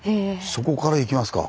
そこからいきますか。